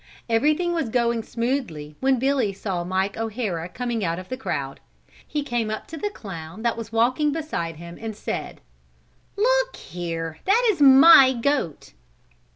Everything was going smoothly when Billy saw Mike O'Hara coming out of the crowd; he came up to the clown that was walking beside him and said: "Look here, that is my goat!"